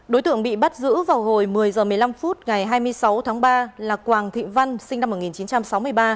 đối tượng bị bắt giữ vào hồi một mươi h một mươi năm phút ngày hai mươi sáu tháng ba là quàng thị văn sinh năm một nghìn chín trăm sáu mươi ba